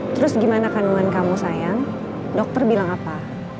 terus gimana kandungan kamu sayang dokter bilang apa